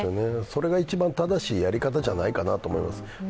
それが一番正しいやり方じゃないかなと思います。